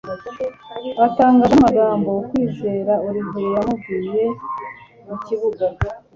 atangazwa n'amagambo kwizera olivier yamubwiriye mu kibuga